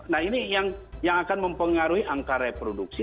nah ini yang akan mempengaruhi angka reproduksi